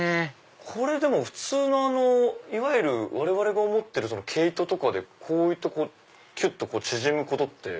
これでも普通のいわゆる我々が思ってる毛糸とかでこういったキュっと縮むことって。